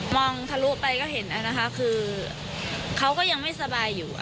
องทะลุไปก็เห็นนะคะคือเขาก็ยังไม่สบายอยู่